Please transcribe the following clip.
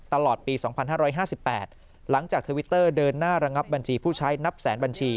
ตลอดปี๒๕๕๘หลังจากทวิตเตอร์เดินหน้าระงับบัญชีผู้ใช้นับแสนบัญชี